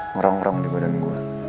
ngerang ngerang di badan gue